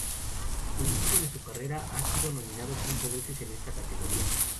A lo largo de su carrera ha sido nominado cinco veces en esta categoría.